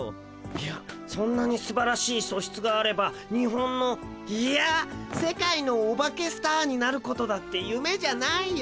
いやそんなにすばらしいそしつがあればにほんのいや世界のオバケスターになることだってゆめじゃないよ。